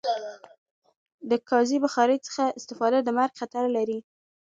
د کازی بخاری څخه استفاده د مرګ خطر لری